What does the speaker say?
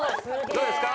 どうですか？